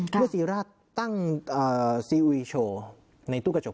เมื่อซีราชตั้งซีอุยโชว์ในตู้กระจก